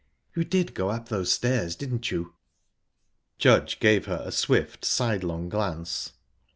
"You did go up those stairs, didn't you?" Judge gave her a swift sidelong glance.